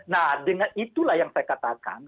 nah dengan itulah yang saya katakan